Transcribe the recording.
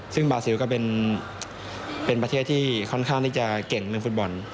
ซึ่งบาซิลก็เป็นประเทศที่ค่อนข้างที่จะเก่งเรื่องฟุตบอล